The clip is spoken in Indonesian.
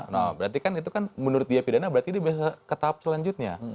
nah berarti kan itu kan menurut dia pidana berarti dia bisa ke tahap selanjutnya